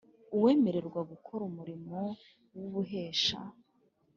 Uwemererwa gukora umurimo w ubuhesha